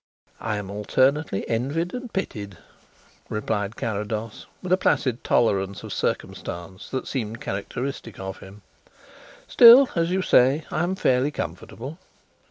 "I am alternately envied and pitied," replied Carrados, with a placid tolerance of circumstance that seemed characteristic of him. "Still, as you say, I am fairly comfortable."